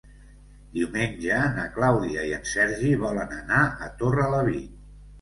Diumenge na Clàudia i en Sergi volen anar a Torrelavit.